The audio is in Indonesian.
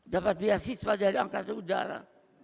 dapat biasis pada angkatan udara